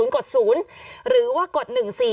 ๑๓๓๐กด๐หรือว่ากด๑๔